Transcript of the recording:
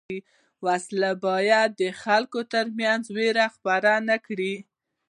وسله باید د خلکو تر منځ وېره خپره نه کړي